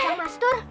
yang mas tur